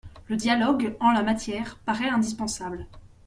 Le dialogue, en la matière, paraît indispensable.